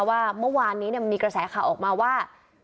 ว่าเมื่อวานนี้มีกระแสข่าวออกมาว่า